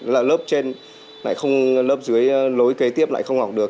là lớp trên lại không lớp dưới lối kế tiếp lại không học được